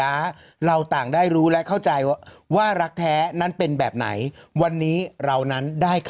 อึกอึกอึกอึกอึกอึกอึกอึกอึก